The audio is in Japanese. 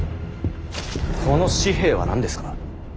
この紙幣は何ですか。